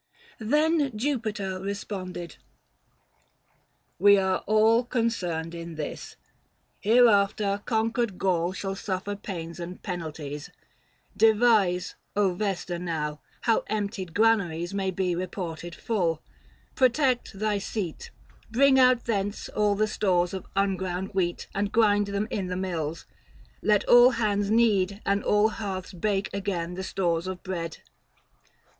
Then Jupiter responded :" We are all Concerned in this. Hereafter conquered Gaul Shall suffer pains and penalties ; devise, 445 Vesta now, how emptied granaries May be reported full ; protect thy seat ; Bring out thence all the stores of unground wheat, And grind them in the mills ; let all hands knead And all hearths bake again the stores of bread.